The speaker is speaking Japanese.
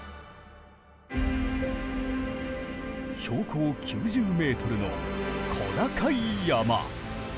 標高９０メートルの小高い山。